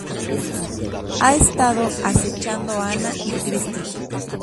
Ha estado acechando a Ana y Christian.